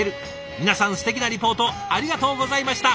皆さんすてきなリポートありがとうございました！